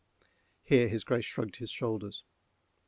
_ (Here his Grace shrugged his shoulders.)